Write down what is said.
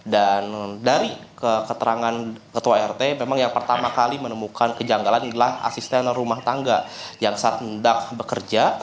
dan dari keterangan ketua art memang yang pertama kali menemukan kejanggalan adalah asisten rumah tangga yang sedang bekerja